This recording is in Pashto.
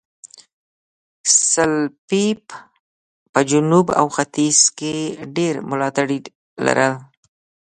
سلپيپ په جنوب او ختیځ کې ډېر ملاتړي لرل.